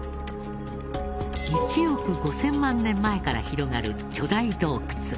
１億５０００万年前から広がる巨大洞窟。